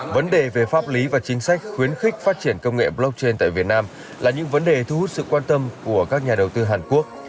vấn đề về pháp lý và chính sách khuyến khích phát triển công nghệ blockchain tại việt nam là những vấn đề thu hút sự quan tâm của các nhà đầu tư hàn quốc